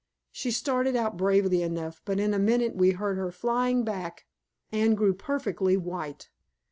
She started out bravely enough, but in a minute we heard her flying back. Anne grew perfectly white.